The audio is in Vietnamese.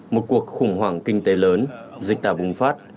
một cuộc khủng hoảng kinh tế lớn dịch tả bùng phát